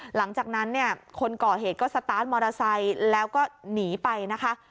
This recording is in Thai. หลังจากนั้นเนี่ยคนก่อเหตุก็สตาร์ทมอเตอร์ไซค์แล้วก็หนีไปนะคะ